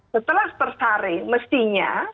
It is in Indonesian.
setelah tersaring mestinya